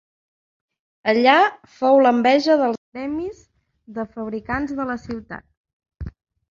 Allà fou l'enveja dels gremis de fabricants de la ciutat.